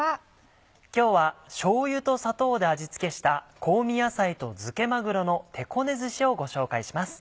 今日はしょうゆと砂糖で味付けした「香味野菜と漬けまぐろの手こねずし」をご紹介します。